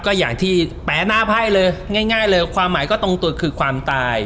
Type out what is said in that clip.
ก็อย่างที่แป๊หน้าไพ่เลยง่ายเลยความหมายก็ตรงตัวคือความตาย